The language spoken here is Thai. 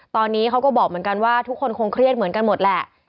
ตอนนี้เขาก็บอกเหมือนกันว่าทุกคนคงเครียดเหมือนกันหมดแหละ